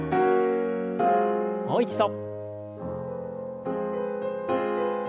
もう一度。